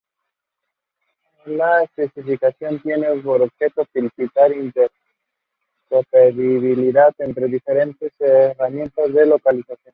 La especificación tiene por objeto facilitar la interoperabilidad entre diferentes herramientas de localización.